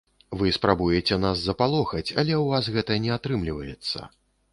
Вы спрабуеце нас запалохаць, але ў вас гэта не атрымліваецца.